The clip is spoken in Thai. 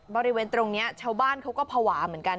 บริเวณตรงนี้ชาวบ้านเขาก็ภาวะเหมือนกัน